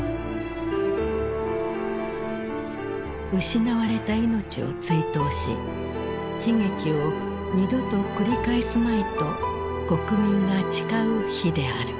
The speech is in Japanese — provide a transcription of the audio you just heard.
失われた命を追悼し悲劇を二度と繰り返すまいと国民が誓う日である。